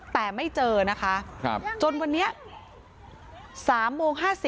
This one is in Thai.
แต่ไม่เจอนะคะจนวันนี้๓โมง๕๐